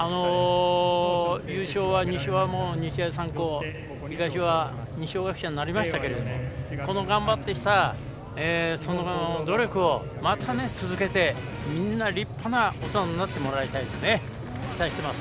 優勝は西は日大三高東は二松学舎大学付属になりましたがこの頑張ってきたその努力をまた続けてみんな立派な大人になってもらいたいですね。